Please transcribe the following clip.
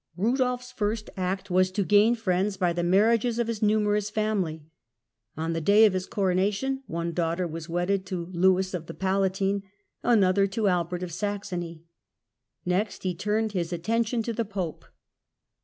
Eudolf's first act was to Marriage „.,,./. 1 •/••! alliances gam friends by the marriages of his numerous family. On the day of his coronation one daughter was wedded to Lewis of the Palatinate and another to Albert of Saxony. Next he turned his attention to the Pope.